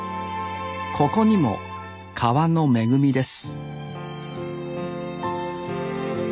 ここにも川の恵みです